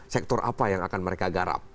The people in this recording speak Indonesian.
sektor apa yang akan mereka garap